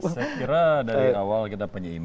saya kira dari awal kita penyeimbang ya